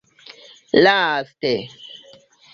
Laste.